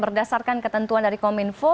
berdasarkan ketentuan dari kominfo